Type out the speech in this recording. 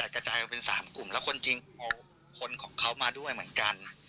กระจายออกเป็น๓กลุ่มแล้วคนจริงเอาคนของเขามาด้วยเหมือนกัน